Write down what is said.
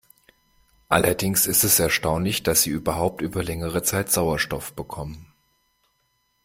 Allerdings ist es erstaunlich, dass sie überhaupt über längere Zeit Sauerstoff bekommen.